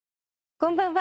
こんばんは。